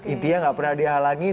intinya nggak pernah dihalangi